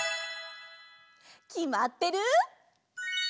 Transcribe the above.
きまってる？